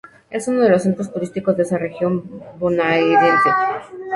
Es uno de los centros turísticos de esa región bonaerense.